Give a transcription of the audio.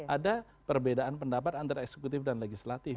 ada perbedaan pendapat antara eksekutif dan legislatif